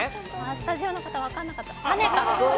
スタジオの方、分からなかった。